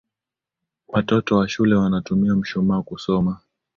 Watoto wa shule wanatumia mshumaa kusoma.